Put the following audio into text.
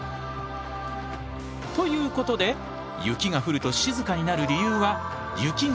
ということで雪が降ると静かになる理由はうわ。